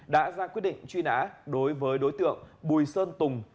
đã ra quyết định truy nã đối với đối tượng bùi sơn tùng